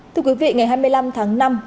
thưa quý vị ngày hai mươi năm tháng năm